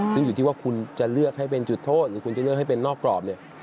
ซึ่งอยู่ที่ว่าคุณจะเลือกให้เป็นจุดโทษหรือคุณจะเลือกให้เป็นนอกกรอบเนี่ย